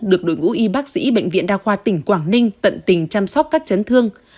được đội ngũ y bác sĩ bệnh viện đa khoa tỉnh quảng ninh tận tình chăm sóc các chấn thương